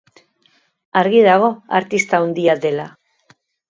Argi dago artista handia dela.